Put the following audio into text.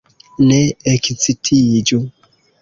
Ne ekcitiĝu!